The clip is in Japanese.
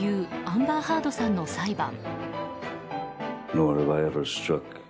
アンバー・ハードさんの裁判。